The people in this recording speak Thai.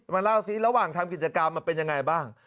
เล่าสิระหว่างทำกิจกรรมมันเป็นยังไงบ้าง